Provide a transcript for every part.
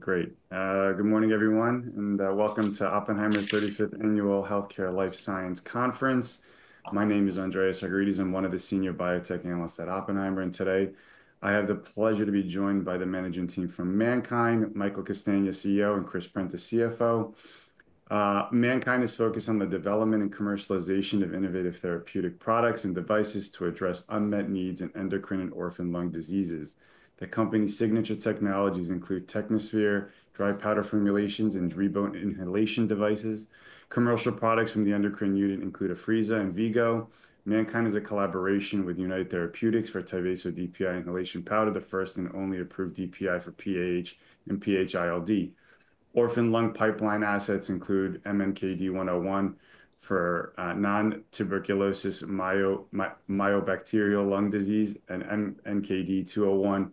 Great. Good morning, everyone, and welcome to Oppenheimer's 35th Annual Healthcare Life Sciences Conference. My name is Andreas Argyrides. I'm one of the senior biotech analysts at Oppenheimer, and today I have the pleasure to be joined by the managing team from MannKind, Michael Castagna, CEO, and Chris Prentiss, CFO. MannKind is focused on the development and commercialization of innovative therapeutic products and devices to address unmet needs in endocrine and orphan lung diseases. The company's signature technologies include Technosphere, dry powder formulations, and Dreamboat inhalation devices. Commercial products from the endocrine unit include Afrezza and V-Go. MannKind is a collaboration with United Therapeutics for Tyvaso DPI inhalation powder, the first and only approved DPI for PAH and PH-ILD. Orphan lung pipeline assets include MNKD-101 for nontuberculous mycobacterial lung disease and MNKD-201,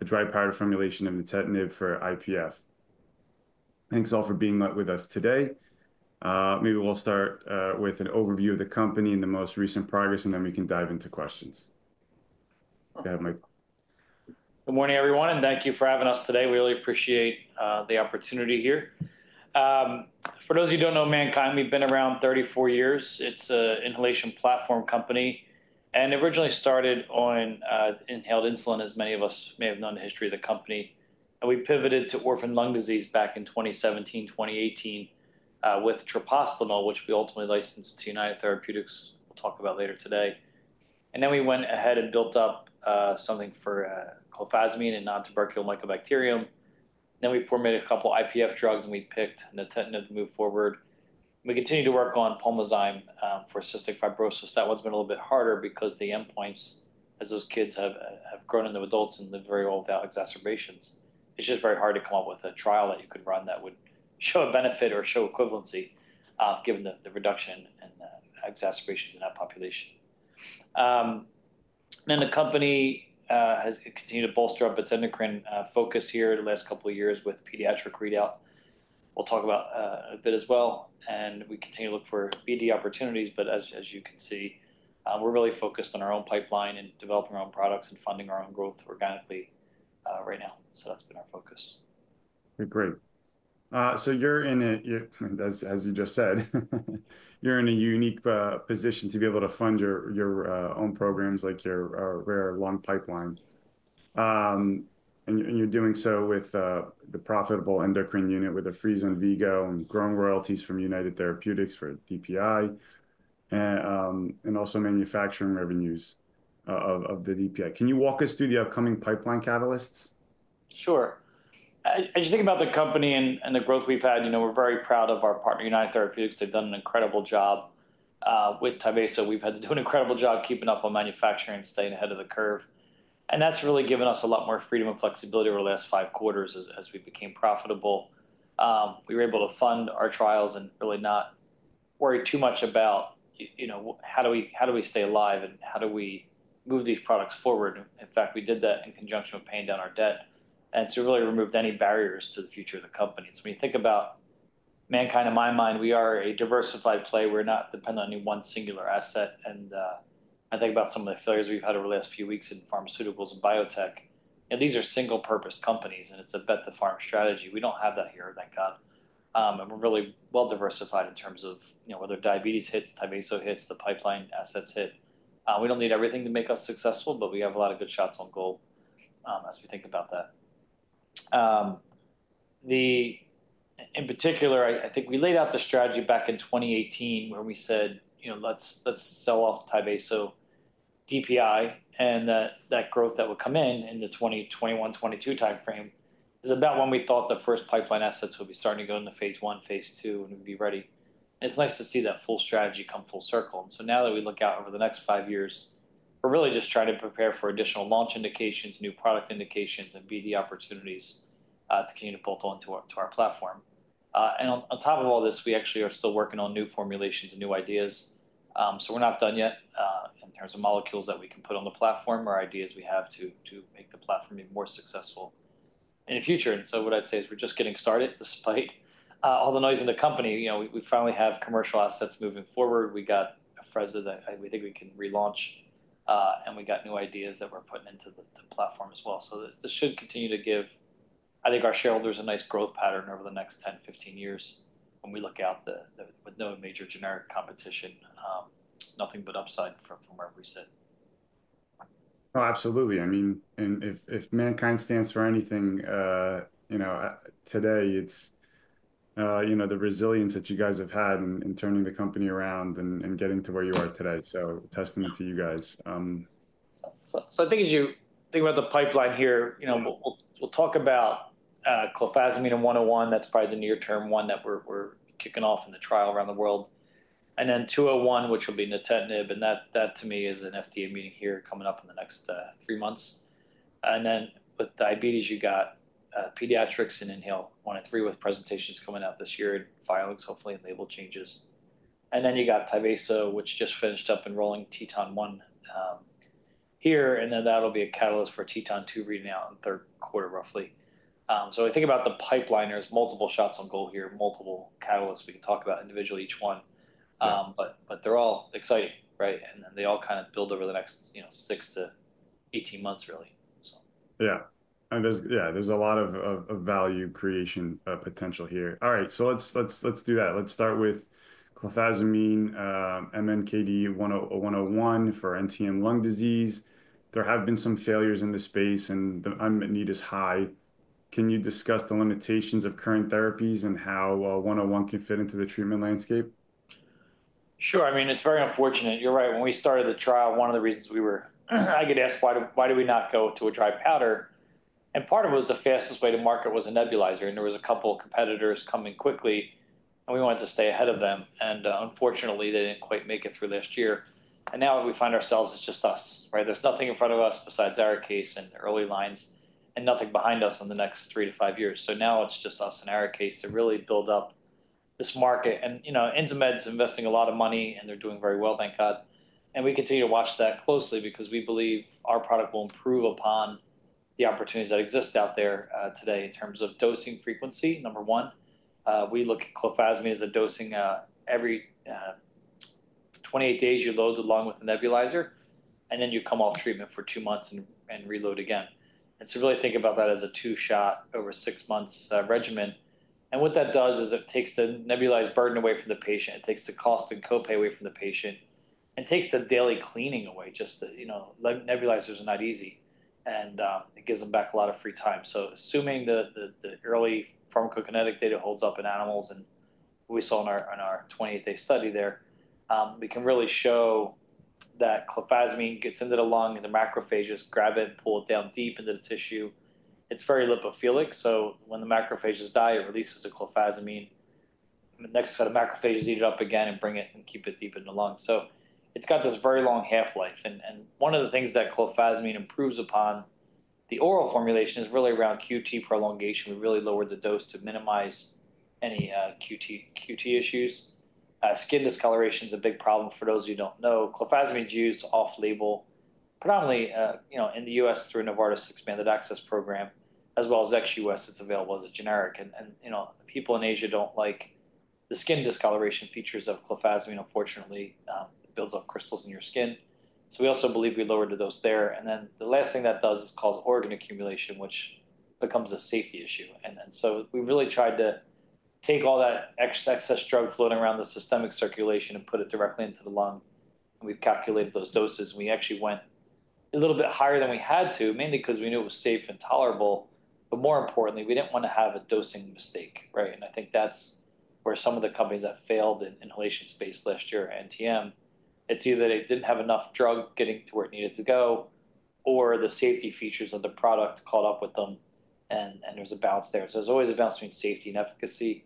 a dry powder formulation of the nintedanib for IPF. Thanks all for being with us today. Maybe we'll start with an overview of the company and the most recent progress, and then we can dive into questions. Good morning, everyone, and thank you for having us today. We really appreciate the opportunity here. For those of you who don't know MannKind, we've been around 34 years. It's an inhalation platform company, and it originally started on inhaled insulin, as many of us may have known the history of the company, and we pivoted to orphan lung disease back in 2017, 2018, with treprostinil, which we ultimately licensed to United Therapeutics, we'll talk about later today, and then we went ahead and built up something for clofazimine and nontuberculous mycobacteria, then we formulated a couple of IPF drugs, and we picked the nintedanib to move forward. We continue to work on Pulmozyme for cystic fibrosis. That one's been a little bit harder because the endpoints, as those kids have grown into adults and live very well without exacerbations, it's just very hard to come up with a trial that you could run that would show a benefit or show equivalency given the reduction in exacerbations in that population, and then the company has continued to bolster up its endocrine focus here the last couple of years with pediatric readout, we'll talk about a bit as well, and we continue to look for BD opportunities, but as you can see, we're really focused on our own pipeline and developing our own products and funding our own growth organically right now, so that's been our focus. Great. So you're in a, as you just said, you're in a unique position to be able to fund your own programs like your rare lung pipeline. And you're doing so with the profitable endocrine unit with Afrezza and V-Go and growing royalties from United Therapeutics for DPI and also manufacturing revenues of the DPI. Can you walk us through the upcoming pipeline catalysts? Sure. As you think about the company and the growth we've had, you know we're very proud of our partner, United Therapeutics. They've done an incredible job with Tyvaso. We've had to do an incredible job keeping up on manufacturing and staying ahead of the curve, and that's really given us a lot more freedom and flexibility over the last five quarters as we became profitable. We were able to fund our trials and really not worry too much about, you know, how do we stay alive and how do we move these products forward? In fact, we did that in conjunction with paying down our debt, and it's really removed any barriers to the future of the company. So when you think about MannKind, in my mind, we are a diversified play. We're not dependent on any one singular asset. I think about some of the failures we've had over the last few weeks in pharmaceuticals and biotech. These are single-purpose companies, and it's a bet the farm strategy. We don't have that here, thank God. We're really well diversified in terms of whether diabetes hits, Tyvaso hits, the pipeline assets hit. We don't need everything to make us successful, but we have a lot of good shots on goal as we think about that. In particular, I think we laid out the strategy back in 2018 where we said, you know, let's sell off Tyvaso DPI and that growth that would come in in the 2021, 2022 timeframe is about when we thought the first pipeline assets would be starting to go into phase I, phase II, and we'd be ready. It's nice to see that full strategy come full circle. And so now that we look out over the next five years, we're really just trying to prepare for additional launch indications, new product indications, and BD opportunities to continue to bolt on to our platform. And on top of all this, we actually are still working on new formulations and new ideas. So we're not done yet in terms of molecules that we can put on the platform or ideas we have to make the platform more successful in the future. And so what I'd say is we're just getting started despite all the noise in the company. You know, we finally have commercial assets moving forward. We got Afrezza, we think we can relaunch, and we got new ideas that we're putting into the platform as well. This should continue to give, I think, our shareholders a nice growth pattern over the next 10-15 years when we look out with no major generic competition, nothing but upside from where we sit. Oh, absolutely. I mean, and if MannKind stands for anything, you know, today, it's, you know, the resilience that you guys have had in turning the company around and getting to where you are today. So, testament to you guys. So I think as you think about the pipeline here, you know, we'll talk about clofazimine and 101. That's probably the near-term one that we're kicking off in the trial around the world. And then 201, which will be in the nintedanib. And that to me is an FDA meeting here coming up in the next three months. And then with diabetes, you got pediatrics and INHALE-1 and INHALE-3 with presentations coming out this year and Afrezza, hopefully label changes. And then you got Tyvaso, which just finished up enrolling TETON 1 here. And then that'll be a catalyst for TETON 2 reading out in the third quarter, roughly. So I think about the pipeline as multiple shots on goal here, multiple catalysts. We can talk about individually each one, but they're all exciting, right? Then they all kind of build over the next, you know, six to 18 months, really. Yeah. And there's a lot of value creation potential here. All right, so let's do that. Let's start with clofazimine, MNKD-101 for NTM lung disease. There have been some failures in the space, and the unmet need is high. Can you discuss the limitations of current therapies and how 101 can fit into the treatment landscape? Sure. I mean, it's very unfortunate. You're right. When we started the trial, one of the reasons we were, I get asked, why do we not go to a dry powder? And part of it was the fastest way to market was a nebulizer. And there were a couple of competitors coming quickly, and we wanted to stay ahead of them. And unfortunately, they didn't quite make it through last year. And now we find ourselves it's just us, right? There's nothing in front of us besides Arikayce and early lines and nothing behind us in the next three to five years. So now it's just us and Arikayce to really build up this market. And, you know, Insmed is investing a lot of money, and they're doing very well, thank God. And we continue to watch that closely because we believe our product will improve upon the opportunities that exist out there today in terms of dosing frequency, number one. We look at clofazimine as a dosing every 28 days you load along with the nebulizer, and then you come off treatment for two months and reload again. And so really think about that as a two-shot over six months regimen. And what that does is it takes the nebulized burden away from the patient. It takes the cost and copay away from the patient. And it takes the daily cleaning away just to, you know, nebulizers are not easy. And it gives them back a lot of free time. Assuming the early pharmacokinetic data holds up in animals and what we saw in our 28-day study there, we can really show that clofazimine gets into the lung and the macrophages grab it and pull it down deep into the tissue. It's very lipophilic. So when the macrophages die, it releases the clofazimine. The next set of macrophages eat it up again and bring it and keep it deep in the lung. So it's got this very long half-life. And one of the things that clofazimine improves upon the oral formulation is really around QT prolongation. We really lowered the dose to minimize any QT issues. Skin discoloration is a big problem for those who don't know. Clofazimine is used off-label, predominantly, you know, in the U.S. through Novartis' expanded access program, as well as ex-US that's available as a generic. You know, people in Asia don't like the skin discoloration features of clofazimine. Unfortunately, it builds up crystals in your skin. So we also believe we lowered to those there. And then the last thing that does is cause organ accumulation, which becomes a safety issue. And so we really tried to take all that excess drug floating around the systemic circulation and put it directly into the lung. And we've calculated those doses. And we actually went a little bit higher than we had to, mainly because we knew it was safe and tolerable. But more importantly, we didn't want to have a dosing mistake, right? I think that's where some of the companies that failed in the inhalation space last year, NTM. It's either they didn't have enough drug getting to where it needed to go or the safety features of the product caught up with them. There's a balance there. There's always a balance between safety and efficacy.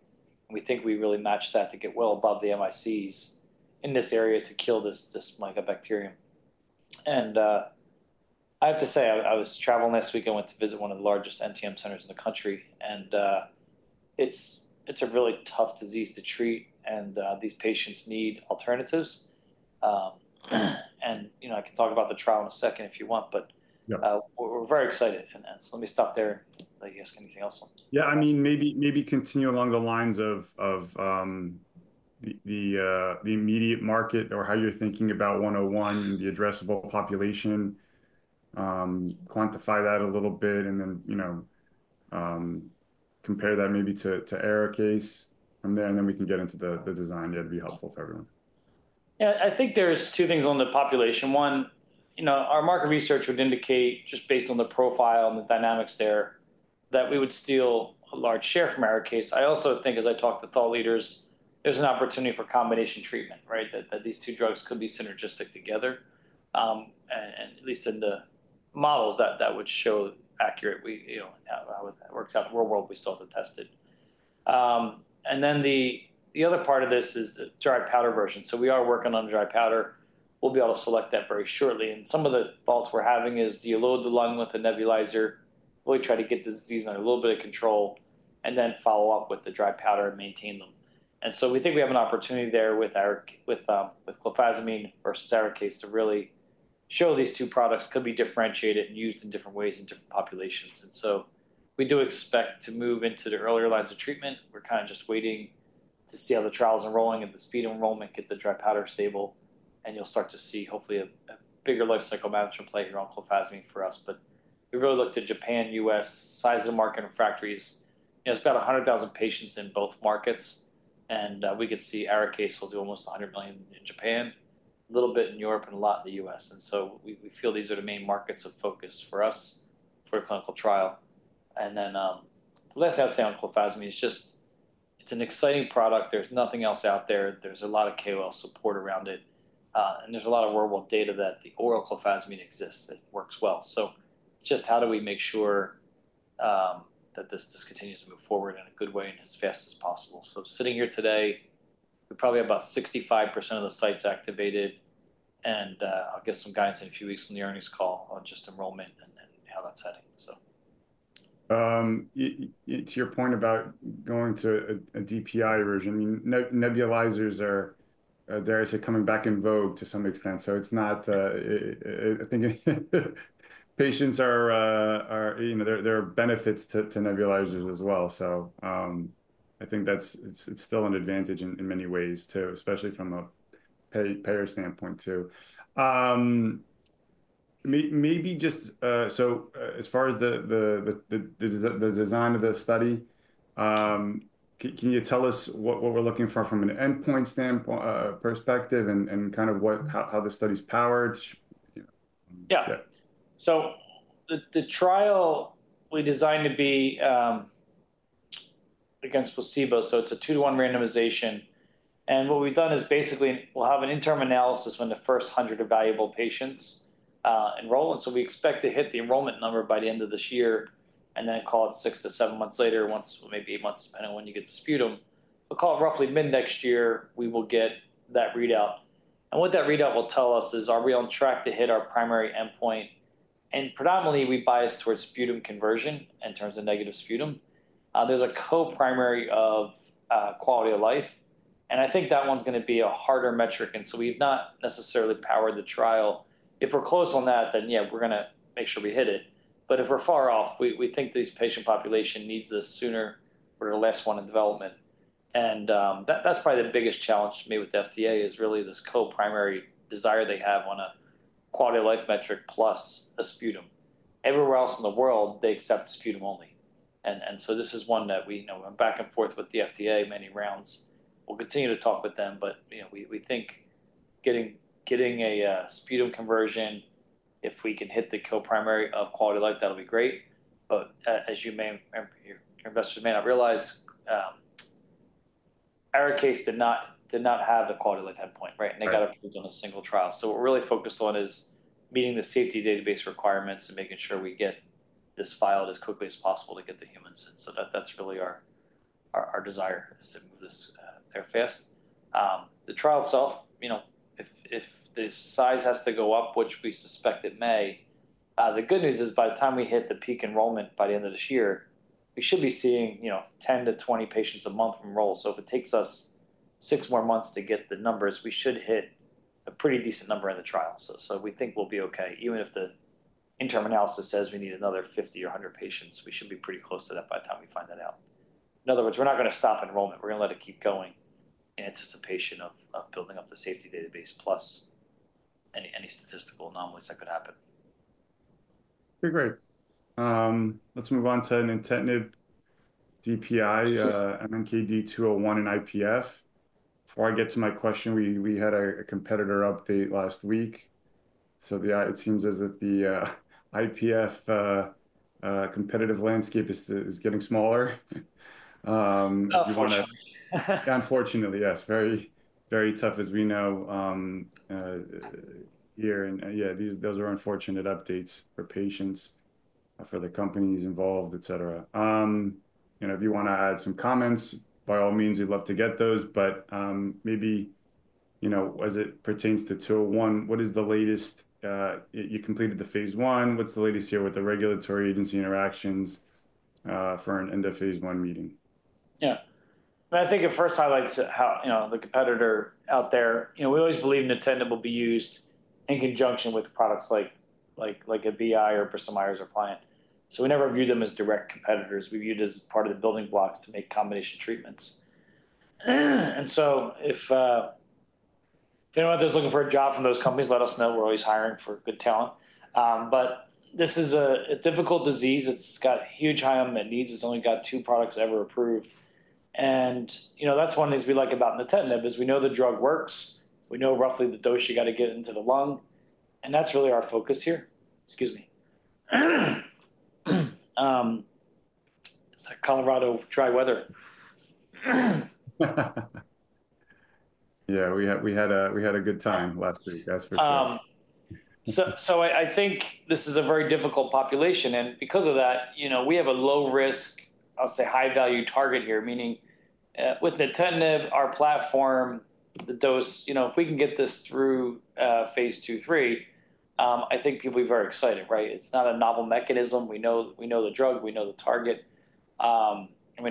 We think we really matched that to get well above the MICs in this area to kill this mycobacterium. I have to say, I was traveling last week. I went to visit one of the largest NTM centers in the country. It's a really tough disease to treat. These patients need alternatives. You know, I can talk about the trial in a second if you want, but we're very excited. Let me stop there. Let you ask anything else. Yeah, I mean, maybe continue along the lines of the immediate market or how you're thinking about 101 and the addressable population, quantify that a little bit, and then, you know, compare that maybe to Arikayce from there, and then we can get into the design. Yeah, it'd be helpful for everyone. Yeah, I think there's two things on the population. One, you know, our market research would indicate just based on the profile and the dynamics there that we would steal a large share from Arikayce. I also think, as I talked to thought leaders, there's an opportunity for combination treatment, right, that these two drugs could be synergistic together, at least in the models that would show accurate, you know, how it works out in the real world. We still have to test it. And then the other part of this is the dry powder version. So we are working on dry powder. We'll be able to select that very shortly. And some of the thoughts we're having is do you load the lung with a nebulizer, really try to get the disease under a little bit of control, and then follow up with the dry powder and maintain them. And so we think we have an opportunity there with clofazimine versus Arikayce to really show these two products could be differentiated and used in different ways in different populations. And so we do expect to move into the earlier lines of treatment. We're kind of just waiting to see how the trial's enrolling at the speed of enrollment, get the dry powder stable, and you'll start to see hopefully a bigger life cycle management play here on clofazimine for us. But we really look to Japan, US, size of the market and pharmacies. You know, it's about 100,000 patients in both markets. And we could see Arikayce will do almost $100 million in Japan, a little bit in Europe and a lot in the US. And so we feel these are the main markets of focus for us for a clinical trial. And then the last thing I'd say on clofazimine is just it's an exciting product. There's nothing else out there. There's a lot of KOL support around it. And there's a lot of worldwide data that the oral clofazimine exists that works well. So just how do we make sure that this continues to move forward in a good way and as fast as possible? So sitting here today, we probably have about 65% of the sites activated. And I'll get some guidance in a few weeks on the earnings call on just enrollment and how that's heading. To your point about going to a DPI version, I mean, nebulizers are there, I say, coming back in vogue to some extent. So it's not, I think patients are, you know, there are benefits to nebulizers as well. So I think that's still an advantage in many ways too, especially from a payer standpoint too. Maybe just, so as far as the design of the study, can you tell us what we're looking for from an endpoint standpoint perspective and kind of how the study's powered? Yeah. So the trial we designed to be against placebo. So it's a 2-to-1 randomization. And what we've done is basically we'll have an interim analysis when the first 100 evaluable patients enroll. And so we expect to hit the enrollment number by the end of this year and then call it 6-7 months later, once maybe 8 months, depending on when you get the sputum. We'll call it roughly mid-next year. We will get that readout. And what that readout will tell us is are we on track to hit our primary endpoint? And predominantly, we bias towards sputum conversion in terms of negative sputum. There's a co-primary of quality of life. And I think that one's going to be a harder metric. And so we've not necessarily powered the trial. If we're close on that, then yeah, we're going to make sure we hit it. But if we're far off, we think this patient population needs this sooner or less than one in development. And that's probably the biggest challenge to me with the FDA. It is really this co-primary desire they have on a quality of life metric plus a sputum. Everywhere else in the world, they accept sputum only. And so this is one that we, you know, went back and forth with the FDA many rounds. We'll continue to talk with them, but, you know, we think getting a sputum conversion, if we can hit the co-primary of quality of life, that'll be great. But as you may, your investors may not realize, Arikayce did not have the quality of life endpoint, right? And they got approved on a single trial. So what we're really focused on is meeting the safety database requirements and making sure we get this filed as quickly as possible to get the humans. And so that's really our desire is to move this there fast. The trial itself, you know, if the size has to go up, which we suspect it may, the good news is by the time we hit the peak enrollment by the end of this year, we should be seeing, you know, 10 to 20 patients a month from enroll. So if it takes us six more months to get the numbers, we should hit a pretty decent number in the trial. So we think we'll be okay. Even if the interim analysis says we need another 50 or 100 patients, we should be pretty close to that by the time we find that out. In other words, we're not going to stop enrollment. We're going to let it keep going in anticipation of building up the safety database plus any statistical anomalies that could happen. Okay, great. Let's move on to nintedanib, DPI, MNKD-201 and IPF. Before I get to my question, we had a competitor update last week. So yeah, it seems as if the IPF competitive landscape is getting smaller. Oh, for sure. Unfortunately, yes. Very, very tough as we know here. And yeah, those are unfortunate updates for patients, for the companies involved, et cetera. You know, if you want to add some comments, by all means, we'd love to get those. But maybe, you know, as it pertains to 201, what is the latest? You completed the phase I. What's the latest here with the regulatory agency interactions for an end of phase I meeting? Yeah. I think at first I like to, you know, the competitor out there, you know, we always believe nintedanib will be used in conjunction with products like a BI or Bristol Myers or Pliant. So we never view them as direct competitors. We view it as part of the building blocks to make combination treatments. And so if anyone out there is looking for a job from those companies, let us know. We're always hiring for good talent. But this is a difficult disease. It's got huge high unmet needs. It's only got two products ever approved. And, you know, that's one of the things we like about nintedanib is we know the drug works. We know roughly the dose you got to get into the lung. And that's really our focus here. Excuse me. It's like Colorado dry weather. Yeah, we had a good time last week. That's for sure. I think this is a very difficult population. Because of that, you know, we have a low-risk, I'll say high-value target here, meaning with nintedanib, our platform, the dose, you know, if we can get this through phase II, three, I think people will be very excited, right? It's not a novel mechanism. We know the drug. We know the target. We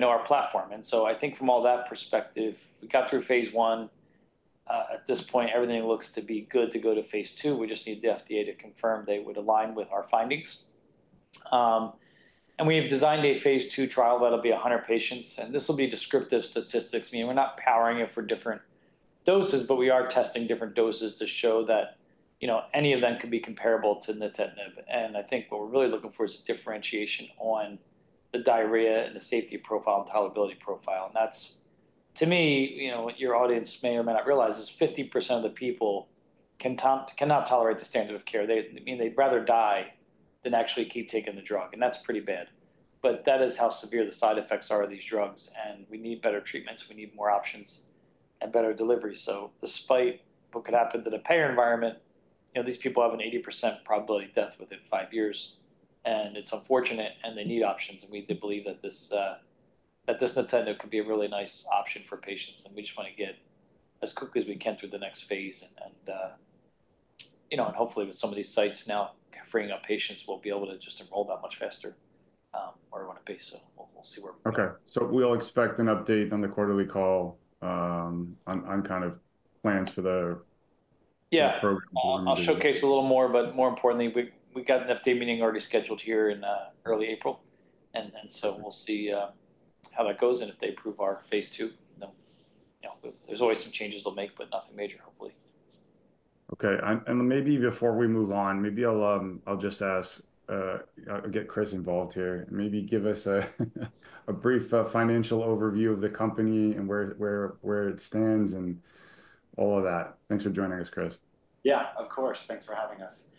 know our platform. I think from all that perspective, we got through phase I. At this point, everything looks to be good to go to phase II. We just need the FDA to confirm they would align with our findings. We have designed a phase II trial that'll be 100 patients. This will be descriptive statistics. I mean, we're not powering it for different doses, but we are testing different doses to show that, you know, any of them could be comparable to nintedanib. And I think what we're really looking for is differentiation on the diarrhea and the safety profile and tolerability profile. And that's, to me, you know, what your audience may or may not realize is 50% of the people cannot tolerate the standard of care. I mean, they'd rather die than actually keep taking the drug. And that's pretty bad. But that is how severe the side effects are of these drugs. And we need better treatments. We need more options and better delivery. So despite what could happen to the payer environment, you know, these people have an 80% probability of death within five years. And it's unfortunate. And they need options. And we believe that this nintedanib could be a really nice option for patients. And we just want to get as quickly as we can through the next phase. And, you know, and hopefully with some of these sites now freeing up patients, we'll be able to just enroll that much faster where we want to be. So we'll see where we go. Okay, so we'll expect an update on the quarterly call on kind of plans for the program. Yeah. I'll showcase a little more. But more importantly, we got an FDA meeting already scheduled here in early April. And so we'll see how that goes. And if they approve our phase II, then there's always some changes they'll make, but nothing major, hopefully. Okay. And maybe before we move on, maybe I'll just ask. I'll get Chris involved here. Maybe give us a brief financial overview of the company and where it stands and all of that. Thanks for joining us, Chris. Yeah, of course. Thanks for having us.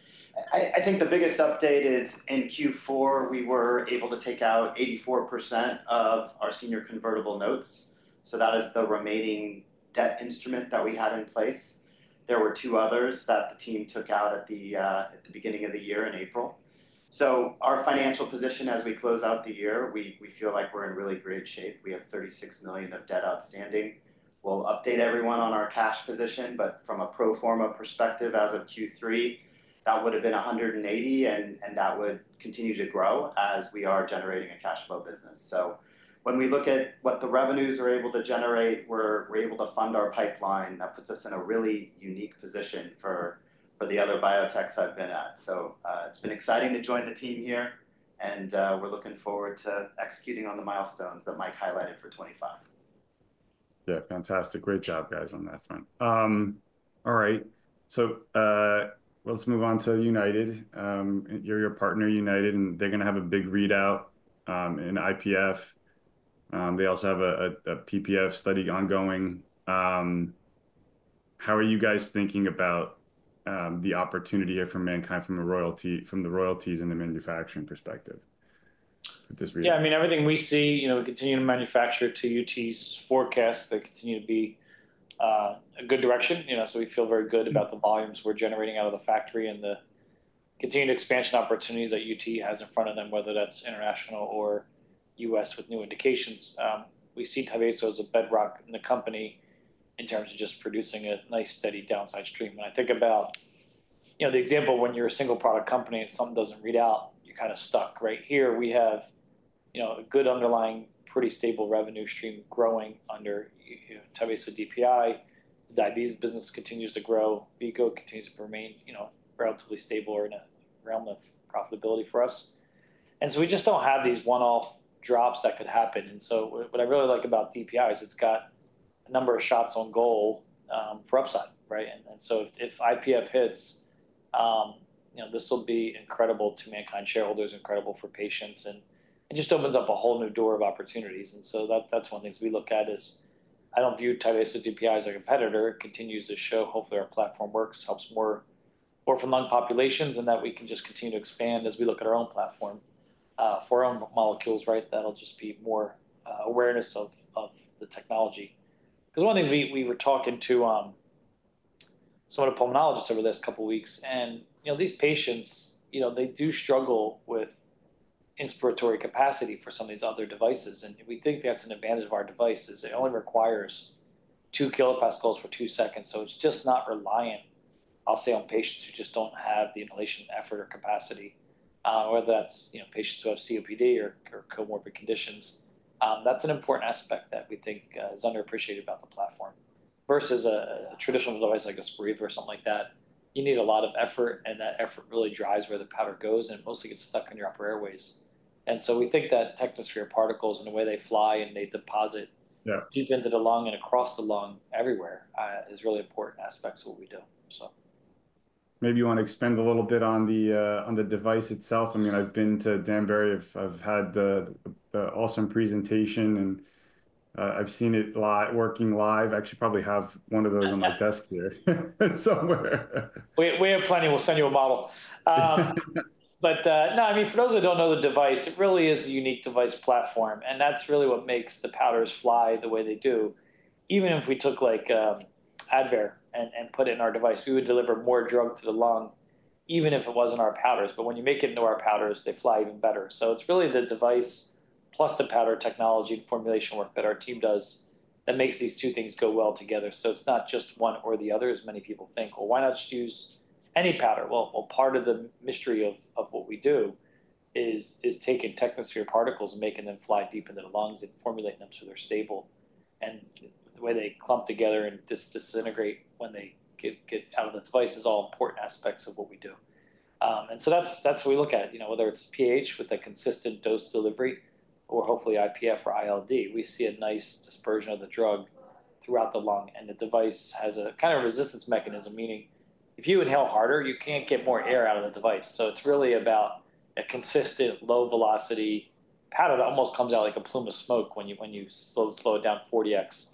I think the biggest update is in Q4, we were able to take out 84% of our senior convertible notes. So that is the remaining debt instrument that we had in place. There were two others that the team took out at the beginning of the year in April. So our financial position as we close out the year, we feel like we're in really great shape. We have $36 million of debt outstanding. We'll update everyone on our cash position. But from a pro forma perspective, as of Q3, that would have been $180 million. And that would continue to grow as we are generating a cash flow business. So when we look at what the revenues are able to generate, we're able to fund our pipeline. That puts us in a really unique position for the other biotechs I've been at. It's been exciting to join the team here. We're looking forward to executing on the milestones that Mike highlighted for 2025. Yeah, fantastic. Great job, guys, on that front. All right. So let's move on to United, your partner, United. And they're going to have a big readout in IPF. They also have a PPF study ongoing. How are you guys thinking about the opportunity here for MannKind from the royalties and the manufacturing perspective? Yeah. I mean, everything we see, you know, we continue to manufacture to UT's forecasts that continue to be a good direction. You know, so we feel very good about the volumes we're generating out of the factory and the continued expansion opportunities that UT has in front of them, whether that's international or U.S. with new indications. We see Tyvaso as a bedrock in the company in terms of just producing a nice steady downstream. When I think about, you know, the example when you're a single product company and something doesn't read out, you're kind of stuck. Right here, we have, you know, a good underlying pretty stable revenue stream growing under Tyvaso DPI. The diabetes business continues to grow. V-Go continues to remain, you know, relatively stable or in a realm of profitability for us. And so we just don't have these one-off drops that could happen. And so what I really like about DPI is it's got a number of shots on goal for upside, right? And so if IPF hits, you know, this will be incredible to MannKind shareholders, incredible for patients. And it just opens up a whole new door of opportunities. And so that's one of the things we look at is I don't view Tyvaso DPI as a competitor. It continues to show hopefully our platform works, helps more for lung populations and that we can just continue to expand as we look at our own platform for our own molecules, right? That'll just be more awareness of the technology. Because one of the things we were talking to some of the pulmonologists over the last couple of weeks, and you know, these patients, you know, they do struggle with inspiratory capacity for some of these other devices. And we think that's an advantage of our device is it only requires two kilopascals for two seconds. So it's just not reliant, I'll say, on patients who just don't have the inhalation effort or capacity, whether that's, you know, patients who have COPD or comorbid conditions. That's an important aspect that we think is underappreciated about the platform versus a traditional device like a Spiriva or something like that. You need a lot of effort. And that effort really drives where the powder goes. And it mostly gets stuck in your upper airways. And so we think that Technosphere particles and the way they fly and they deposit deep into the lung and across the lung everywhere is really important aspects of what we do, so. Maybe you want to expand a little bit on the device itself. I mean, I've been to Danbury. I've had the awesome presentation, and I've seen it working live. I actually probably have one of those on my desk here somewhere. We have plenty. We'll send you a model. But no, I mean, for those who don't know the device, it really is a unique device platform. And that's really what makes the powders fly the way they do. Even if we took like Advair and put it in our device, we would deliver more drug to the lung even if it wasn't our powders. But when you make it into our powders, they fly even better. So it's really the device plus the powder technology and formulation work that our team does that makes these two things go well together. So it's not just one or the other, as many people think. Well, why not just use any powder? Well, part of the mystery of what we do is taking Technosphere particles and making them fly deep into the lungs and formulating them so they're stable. And the way they clump together and disintegrate when they get out of the device is all important aspects of what we do. And so that's what we look at, you know, whether it's pH with a consistent dose delivery or hopefully IPF or ILD. We see a nice dispersion of the drug throughout the lung. And the device has a kind of resistance mechanism, meaning if you inhale harder, you can't get more air out of the device. So it's really about a consistent low velocity powder that almost comes out like a plume of smoke when you slow it down 40x.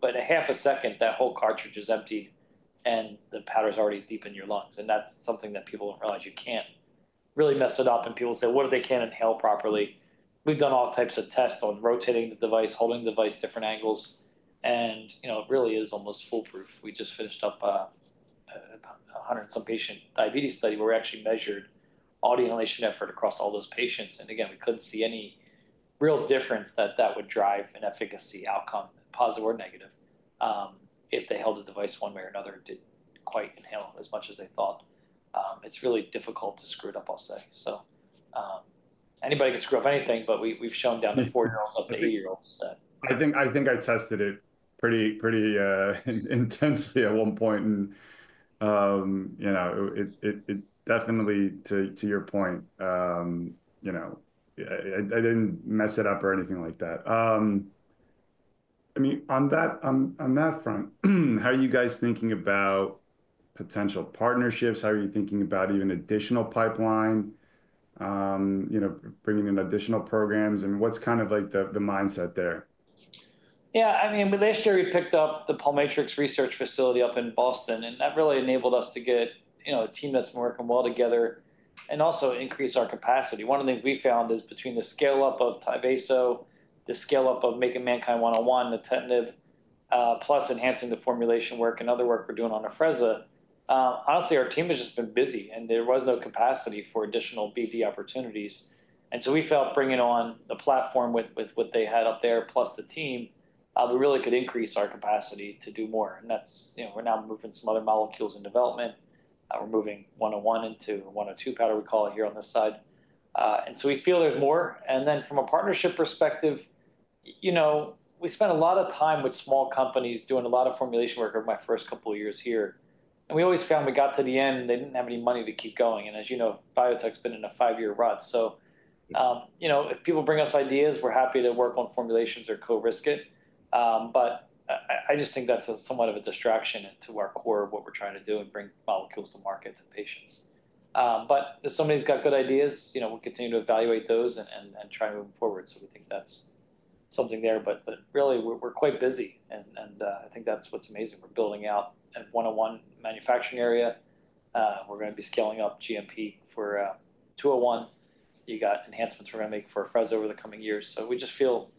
But in a half a second, that whole cartridge is emptied and the powder is already deep in your lungs. And that's something that people don't realize. You can't really mess it up. And people say, what if they can't inhale properly? We've done all types of tests on rotating the device, holding the device at different angles, and, you know, it really is almost foolproof. We just finished up a 100 and some patient diabetes study where we actually measured all the inhalation effort across all those patients, and again, we couldn't see any real difference that would drive an efficacy outcome, positive or negative, if they held the device one way or another and didn't quite inhale as much as they thought. It's really difficult to screw it up, I'll say, so anybody can screw up anything, but we've shown down to four-year-olds up to eight-year-olds that. I think I tested it pretty intensely at one point, and, you know, it definitely, to your point, you know, I didn't mess it up or anything like that. I mean, on that front, how are you guys thinking about potential partnerships? How are you thinking about even additional pipeline, you know, bringing in additional programs, and what's kind of like the mindset there? Yeah. I mean, with last year, we picked up the Pulmatrix Research Facility up in Boston. And that really enabled us to get, you know, a team that's been working well together and also increase our capacity. One of the things we found is between the scale-up of Tyvaso, the scale-up of MNKD-101, nintedanib, plus enhancing the formulation work and other work we're doing on Afrezza, honestly, our team has just been busy. And there was no capacity for additional BD opportunities. And so we felt bringing on the platform with what they had up there, plus the team, we really could increase our capacity to do more. And that's, you know, we're now moving some other molecules in development. We're moving 101 into 102 powder, we call it here on this side. And so we feel there's more. And then from a partnership perspective, you know, we spent a lot of time with small companies doing a lot of formulation work over my first couple of years here. And we always found we got to the end, they didn't have any money to keep going. And as you know, biotech's been in a five-year rut. So, you know, if people bring us ideas, we're happy to work on formulations or co-risk it. But I just think that's somewhat of a distraction to our core of what we're trying to do and bring molecules to market to patients. But if somebody's got good ideas, you know, we'll continue to evaluate those and try to move them forward. So we think that's something there. But really, we're quite busy. And I think that's what's amazing. We're building out an MNKD-101 manufacturing area. We're going to be scaling up GMP for 201. You got enhancements we're going to make for Afrezza over the coming years. So we just feel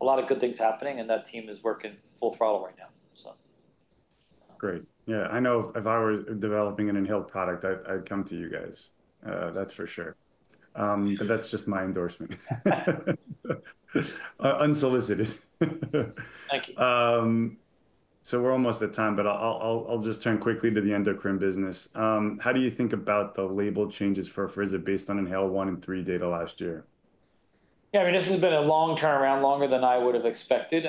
a lot of good things happening, and that team is working full throttle right now, so. Great. Yeah. I know if I were developing an inhaled product, I'd come to you guys. That's for sure. But that's just my endorsement. Unsolicited. Thank you. We're almost at time, but I'll just turn quickly to the endocrine business. How do you think about the label changes for Afrezza based on INHALE-1 and INHALE-3 data last year? Yeah. I mean, this has been a long turnaround, longer than I would have expected.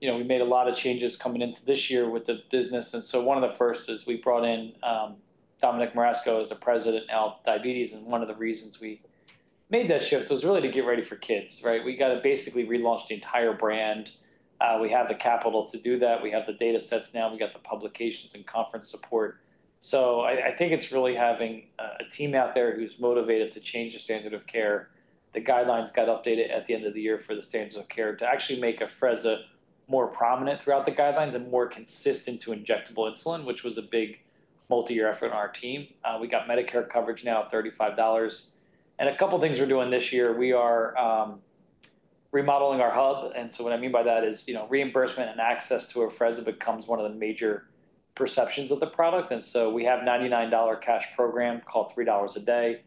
You know, we made a lot of changes coming into this year with the business. And so one of the first is we brought in Dominic Marasco as the President now of Diabetes. And one of the reasons we made that shift was really to get ready for kids, right? We got to basically relaunch the entire brand. We have the capital to do that. We have the data sets now. We got the publications and conference support. So I think it's really having a team out there who's motivated to change the standard of care. The guidelines got updated at the end of the year for the standards of care to actually make Afrezza more prominent throughout the guidelines and more consistent to injectable insulin, which was a big multi-year effort on our team. We got Medicare coverage now at $35, and a couple of things we're doing this year. We are remodeling our hub. And so what I mean by that is, you know, reimbursement and access to Afrezza becomes one of the major perceptions of the product. And so we have a $99 cash program called $3 a day.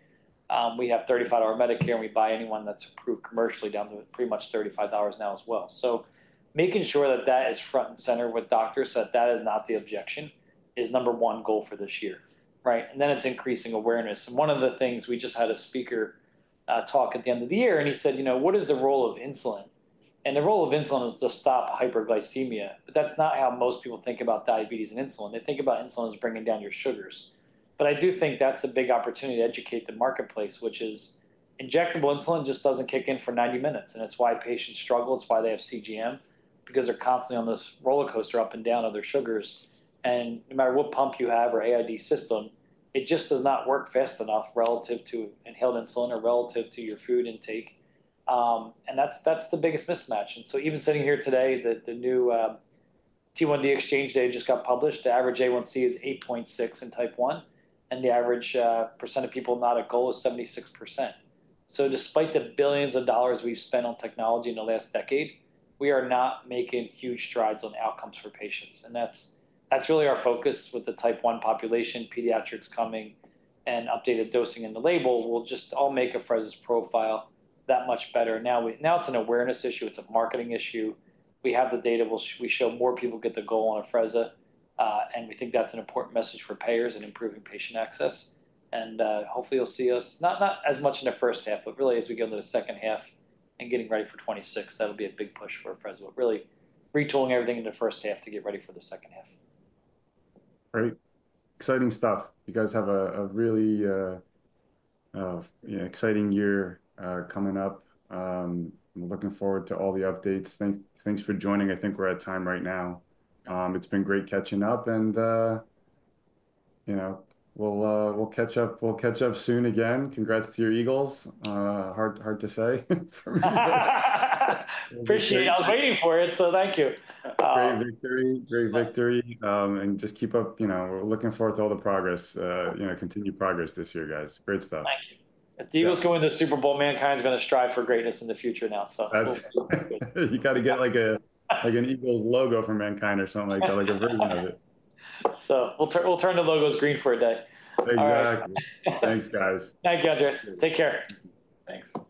We have $35 Medicare. And we bring anyone that's approved commercially down to pretty much $35 now as well. So making sure that that is front and center with doctors so that that is not the objection is number one goal for this year, right? And then it's increasing awareness. And one of the things we just had a speaker talk at the end of the year. And he said, you know, what is the role of insulin? And the role of insulin is to stop hyperglycemia. But that's not how most people think about diabetes and insulin. They think about insulin as bringing down your sugars. But I do think that's a big opportunity to educate the marketplace, which is, injectable insulin just doesn't kick in for 90 minutes. And it's why patients struggle. It's why they have CGM, because they're constantly on this roller coaster up and down of their sugars. And no matter what pump you have or AID system, it just does not work fast enough relative to inhaled insulin or relative to your food intake. And that's the biggest mismatch. And so even sitting here today, the new T1D Exchange data just got published. The average A1C is 8.6 in type 1. And the average percent of people not at goal is 76%. So despite the billions of dollars we've spent on technology in the last decade, we are not making huge strides on outcomes for patients. And that's really our focus with the type 1 population, pediatrics coming, and updated dosing in the label will just all make Afrezza's profile that much better. Now it's an awareness issue. It's a marketing issue. We have the data. We show more people get the goal on Afrezza. And we think that's an important message for payers and improving patient access. And hopefully, you'll see us not as much in the first half, but really as we get into the second half and getting ready for 2026, that'll be a big push for Afrezza. But really retooling everything in the first half to get ready for the second half. Great. Exciting stuff. You guys have a really exciting year coming up. We're looking forward to all the updates. Thanks for joining. I think we're at time right now. It's been great catching up. And, you know, we'll catch up soon again. Congrats to your Eagles. Hard to say. Appreciate it. I was waiting for it. So thank you. Great victory. Great victory. And just keep up, you know, we're looking forward to all the progress, you know, continued progress this year, guys. Great stuff. Thank you. If the Eagles go into the Super Bowl, MannKind's going to strive for greatness in the future now, so. You got to get like an Eagles logo for MannKind or something like that, like a version of it. We'll turn the logos green for a day. Exactly. Thanks, guys. Thank you, Andreas. Take care. Thanks.